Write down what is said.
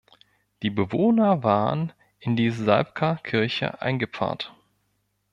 Die Bewohner waren in die Salbker Kirche eingepfarrt.